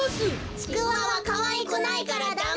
ちくわはかわいくないからダメ！